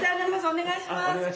お願いします。